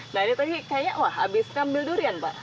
nah ini tadi kayaknya abis ngambil durian pak